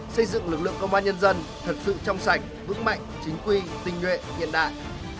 xây dựng lực lượng công an nhân dân thật sự trong sạch vững mạnh chính quy tinh nguyện hiện đại